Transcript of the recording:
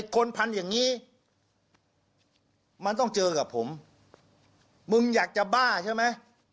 คนพันอย่างนี้มันต้องเจอกับผมมึงอยากจะบ้าใช่ไหม